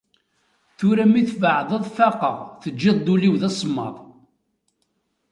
Tura mi tbeɛdeḍ faqqeɣ, teǧǧiḍ-d ul-iw d asemmaḍ.